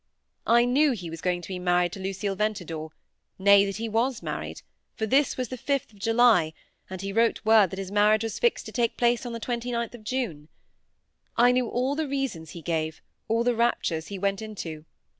I knew he was going to be married to Lucille Ventadour; nay, that he was married; for this was the 5th of July, and he wrote word that his marriage was fixed to take place on the 29th of June. I knew all the reasons he gave, all the raptures he went into.